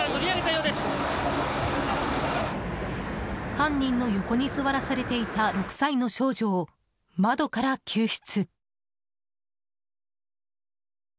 犯人の横に座らされていた６歳の少女を窓から救出。